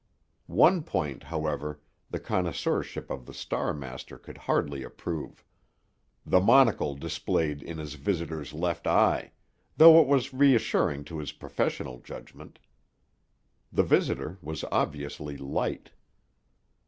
One point, however, the connoisseurship of the Star master could hardly approve: the monocle displayed in his visitor's left eye, though it was reassuring to his professional judgment. The visitor was obviously "light".